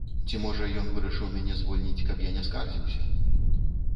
Ці можа, ён вырашыў мяне звольніць, каб я не скардзіўся?